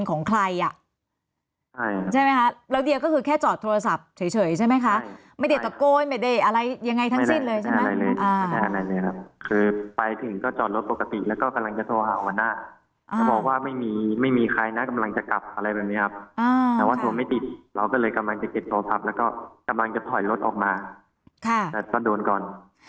คือไปถึงก็จอดรถปกติแล้วก็กำลังจะโทรหาหัวหน้าจะบอกว่าไม่มีใครนะกำลังจะกลับอะไรแบบนี้ครับแต่ว่าโทรไม่ติดเราก็เลยกำลังจะเก็บโทรภัพแล้วก็กำลังจะถอยรถออกมาแต่ต้อนโดนก่อน